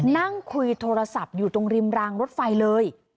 นั่งคุยโทรศัพท์อยู่ตรงริมรางรถไฟเลย